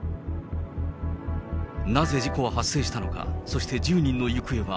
なぜ事故は発生したのか、そして１０人の行方は。